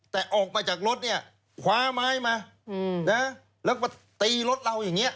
แต่ออกมาจากรถเนี่ยคว้าไม้มาแล้วก็ตีรถเราอย่างนี้